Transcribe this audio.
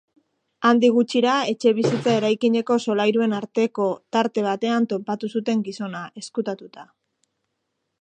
Handik gutxira, etxebizitza-eraikineko solairuen arteko tarte batean topatu zuten gizona, ezkutatuta.